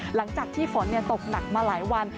หลังจากที่ฝนตกหนักมาหลายวัน